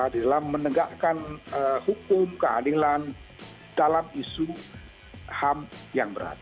dalam menegakkan hukum keadilan dalam isu ham yang berat